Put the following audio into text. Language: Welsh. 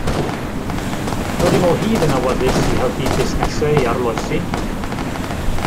Rydym o hyd yn awyddus i helpu busnesau i arloesi